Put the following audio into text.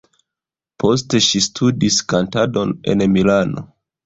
Poste ŝi studis kantadon en Milano.